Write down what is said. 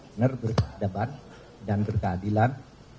benar berkeadaban dan berkeadilan